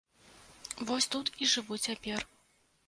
Вось тут і жыву цяпер.